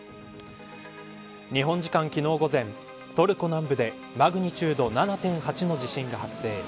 日本時間、昨日午前トルコ南部でマグニチュード７．８の地震が発生。